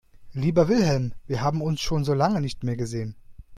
Lieber Wilhelm, wir haben uns schon so lange nicht mehr gesehen.